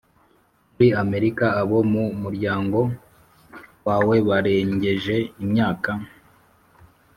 Muri amerika abo mu muryango wawe barengeje imyaka